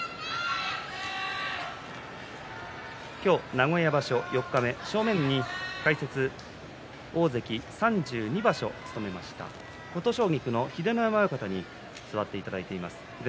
名古屋場所四日目正面に元大関３２場所務めました琴奨菊の秀ノ山親方に座っていただいています。